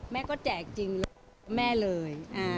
แม่ก็แจกจริงแม่เลย